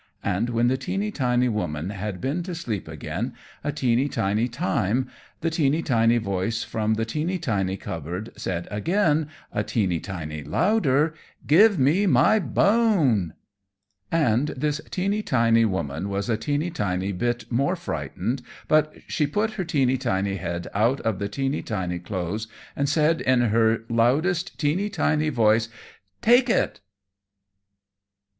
And when the teeny tiny woman had been to sleep again a teeny tiny time the teeny tiny voice from the teeny tiny cupboard said again a teeny tiny louder "Give me my bone!" [Illustration: The Teeny tiny Woman's Fright.] And this teeny tiny woman was a teeny tiny bit more frightened, but she put her teeny tiny head out of the teeny tiny clothes, and said in her loudest teeny tiny voice "Take it!"